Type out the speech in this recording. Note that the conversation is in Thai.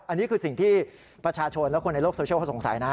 อันนี้คือสิ่งที่ประชาชนและคนในโลกโซเชียลเขาสงสัยนะ